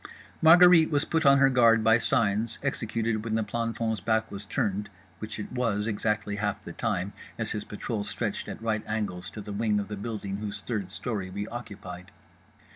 Margherite was put on her guard by signs, executed when the planton's back was turned (which it was exactly half the time, as his patrol stretched at right angles to the wing of the building whose third story we occupied).